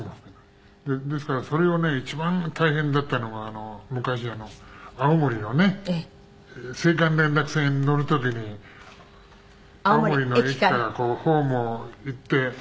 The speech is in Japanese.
ですからそれをね一番大変だったのは昔青森のね青函連絡船に乗る時に青森の駅からホームを行って。